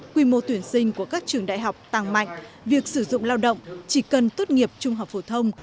quy mô tuyển sinh của các trường đại học tăng mạnh việc sử dụng lao động chỉ cần tốt nghiệp trung học phổ thông